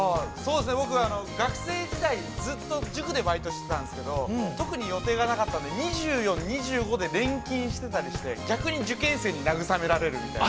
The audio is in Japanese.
◆僕は、学生時代、ずっと塾でバイトしてたんですけど、特に予定がなかったので、２４、２５で連勤してたりして、逆に受験生に慰められるみたいな。